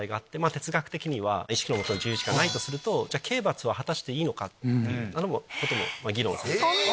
哲学的には意識の元の自由意志がないとすると刑罰は果たしていいのかってことも議論されてます。